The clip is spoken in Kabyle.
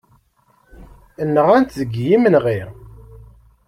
Nɣan-t deg yimenɣi.